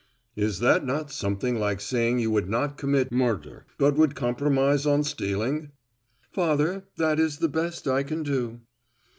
"Is that not something like saying you would not commit murder, but would compromise on stealing?" "Father, that is the best I can do."